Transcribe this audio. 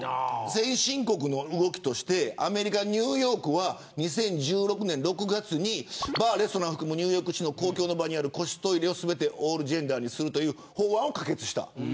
先進国の動きとしてアメリカ、ニューヨークは２０１６年６月にバー、レストラン含むニューヨーク市の公共の場にある個室トイレ全てをオールジェンダーにするという法案を可決した。